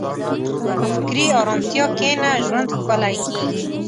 په فکري ارامتیا کښېنه، ژوند ښکلی کېږي.